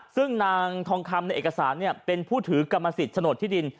ซึ่งนางทองคำในเอกสารเป็นผู้ถือกรรมสิทธิ์โฉนดที่ดิน